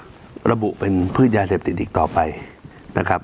ก็ระบุเป็นพืชยาเสพติดอีกต่อไปนะครับ